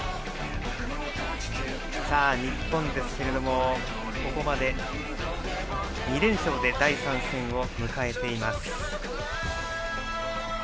日本ですが、ここまで２連勝で第３戦を迎えています。